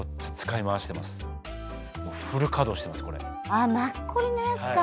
あマッコリのやつか。